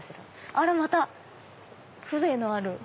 あらまた風情のある。